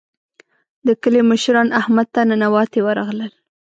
د کلي مشران احمد ته ننواتې ورغلل.